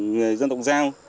người dân tộc giao